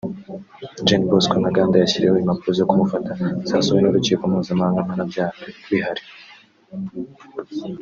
Gen Bosco Ntaganda yashyiriweho impapuro zo kumufata zasohowe n’Urukiko Mpuzamahanga Mpanabyaha rw’i La Haye